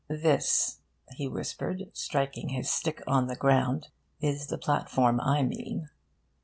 'This,' he whispered, striking his stick on the ground, 'is the platform I mean.'